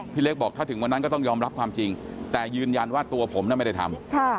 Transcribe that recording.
เล็กบอกถ้าถึงวันนั้นก็ต้องยอมรับความจริงแต่ยืนยันว่าตัวผมน่ะไม่ได้ทำ